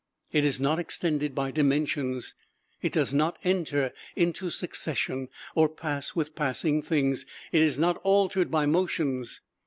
It is not extended by dimensions; it does not enter into succession, or pass with passing things; it is not altered by motions.